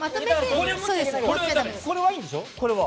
これはいいんでしょ、これは。